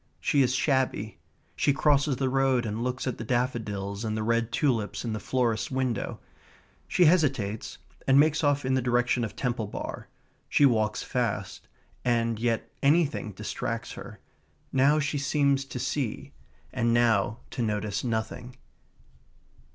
She is shabby. She crosses the road and looks at the daffodils and the red tulips in the florist's window. She hesitates, and makes off in the direction of Temple Bar. She walks fast, and yet anything distracts her. Now she seems to see, and now to notice nothing.